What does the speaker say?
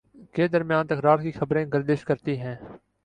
کے درمیان تکرار کی خبریں گردش کرتی ہیں